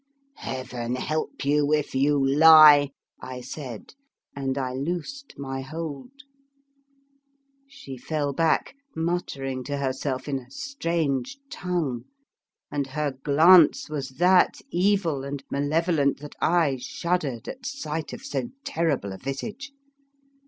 " Heaven help you, if you lie," I said, and I loosed my hold. She fell back muttering to herself in a strange tongue, and her glance was that evil and malevolent that I shud dered at sight of so terrible a visage.